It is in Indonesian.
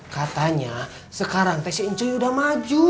katanya sekarang teh si ncuy udah maju